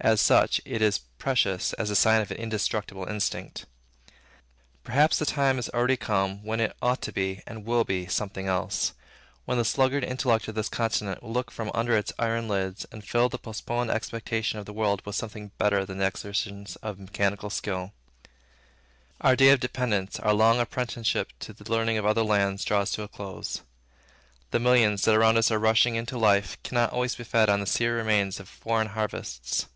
As such, it is precious as the sign of an indestructible instinct. Perhaps the time is already come, when it ought to be, and will be, something else; when the sluggard intellect of this continent will look from under its iron lids, and fill the postponed expectation of the world with something better than the exertions of mechanical skill. Our day of dependence, our long apprenticeship to the learning of other lands, draws to a close. The millions, that around us are rushing into life, cannot always be fed on the sere remains of foreign harvests.